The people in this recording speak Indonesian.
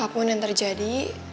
apapun yang terjadi